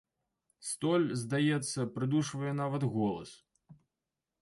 Столь, здаецца, прыдушвае нават голас.